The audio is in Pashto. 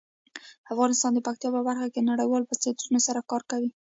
افغانستان د پکتیا په برخه کې نړیوالو بنسټونو سره کار کوي.